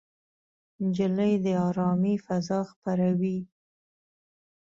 نجلۍ د ارامۍ فضا خپروي.